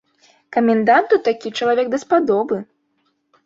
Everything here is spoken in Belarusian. Каменданту такі чалавек даспадобы.